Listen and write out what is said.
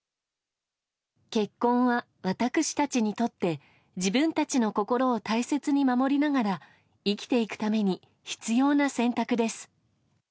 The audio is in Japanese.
結婚は私たちにとって自分たちの心を大切に守りながら生きていくために必要な選択です。